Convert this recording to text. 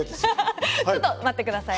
ハハハちょっと待ってください。